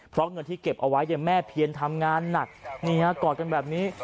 เพราะเงินที่เก็บเอาไว้เนี่ยแม่เพียนทำงานหนักนี่ฮะกอดกันแบบนี้